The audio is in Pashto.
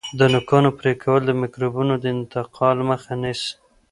د نوکانو پرې کول د میکروبونو د انتقال مخه نیسي.